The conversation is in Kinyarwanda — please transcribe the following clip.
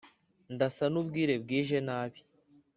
ndasa n'ubwire bwije nabi